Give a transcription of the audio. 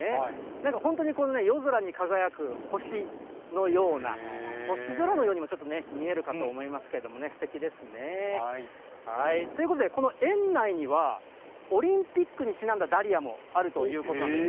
なんか本当に、夜空に輝く星のような、星空のようにもちょっと見えるかと思いますけどもね、すてきですね。ということで、この園内にはオリンピックにちなんだダリアもあるということなんです。